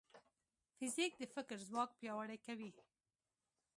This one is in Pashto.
فزیک د فکر ځواک پیاوړی کوي.